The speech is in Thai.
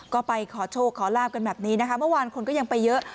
ก็ไปขอโชคขอลาบกันแบบนี้นะคะเมื่อวานคนก็ยังไปเยอะ